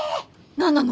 何なの？